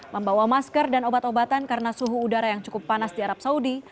membawa masker dan obat obatan karena suhu udara yang cukup panas di arab saudi